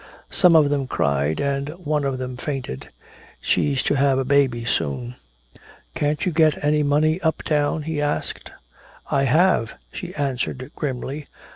Some of them cried and one of them fainted. She's to have a baby soon." "Can't you get any money uptown?" he asked. "I have," she answered grimly.